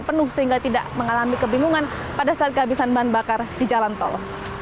dan penuh sehingga tidak mengalami kebingungan pada saat kehabisan bahan bakar di jalan tol